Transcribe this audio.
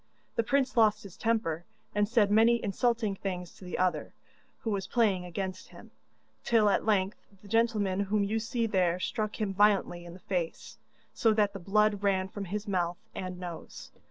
The prince lost his temper, and said many insulting things to the other, who was playing against him, till at length the gentleman whom you see there struck him violently in the face, so that the blood ran from his mouth and nose.